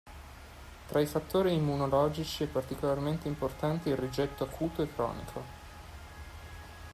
Tra i fattori immunologici è particolarmente importante il rigetto acuto e cronico.